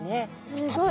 すごい！